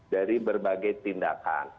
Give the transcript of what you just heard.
dari berbagai tindakan